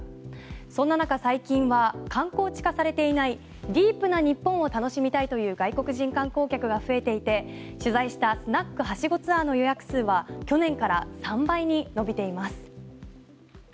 そんな中、最近は観光地化されていないディープな日本を楽しみたいという外国人観光客が増えていて取材したスナックはしごツアーの予約数は去年から３倍に伸びています。